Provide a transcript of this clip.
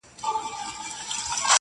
o ستا د خولې سلام مي د زړه ور مات كړ.